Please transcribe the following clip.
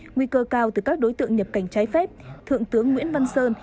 nguy cơ cao từ các đối tượng nhập cảnh trái phép thượng tướng nguyễn văn sơn